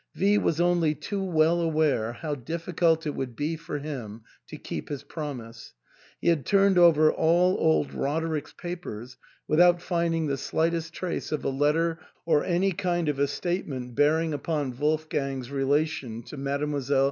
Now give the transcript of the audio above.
V was only too well aware how difl&cult it would be for him to keep his promise. He had turned over all old Roderick's papers without finding the slightest trace of a letter or any kind of a statement bearing upon Wolfgang's relation to Mdlle.